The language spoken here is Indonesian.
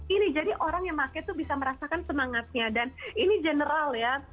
ini jadi orang yang pakai tuh bisa merasakan semangatnya dan ini general ya